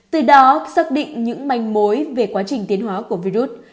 từ đó xác định những manh mối về quá trình tiến hóa của virus